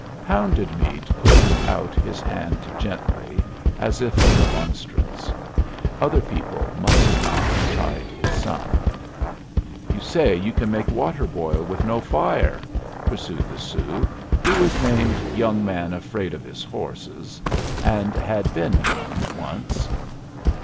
Pounded Meat put out his hand gently, as if in remonstrance. Other people must not chide his son. "You say you can make water boil with no fire?" pursued the Sioux, who was named Young man afraid of his horses, and had been young once.